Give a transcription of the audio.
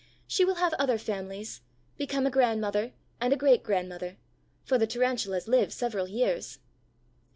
She will have other families, become a grandmother and a great grandmother, for the Tarantulas live several years.